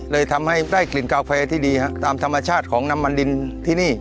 เลยทำให้ได้กลิ่นกาแฟที่ดีฮะตามธรรมชาติของน้ำมันดินที่นี่